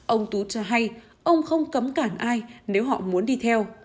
ông tú cho hay ông không cấm cản ai nếu họ muốn đi theo